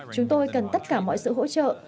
chúng tôi cần tất cả mọi sự hỗ trợ